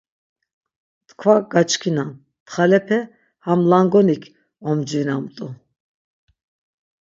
Tkva gaçkinan txalepe ham langonik omcvinamt̆u.